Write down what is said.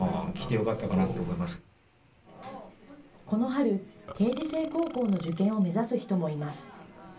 この春、定時制高校の受験を目指す人もいます。